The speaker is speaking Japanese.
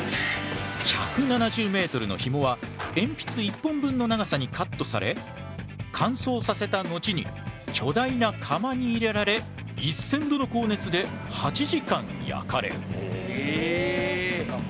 １７０メートルのひもはえんぴつ１本分の長さにカットされ乾燥させた後に巨大な釜に入れられ１，０００度の高熱で８時間焼かれる。